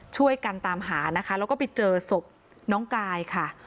ช่วยกันตามหานะคะแล้วก็ไปเจอศพน้องกายค่ะ